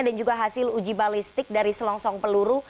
dan juga hasil uji balistik dari selongsong peluru